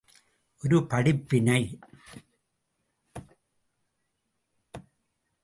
ஒரு படிப்பினை ….